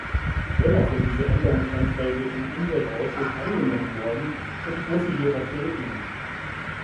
Dennoch sind diese Änderungsanträge im Umweltausschuss angenommen worden, und ich muss sie hier vertreten.